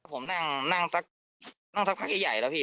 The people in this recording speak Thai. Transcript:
ผมนั่งสักพักใหญ่แล้วพี่